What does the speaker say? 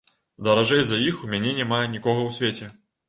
Даражэй за іх у мяне няма нікога ў свеце.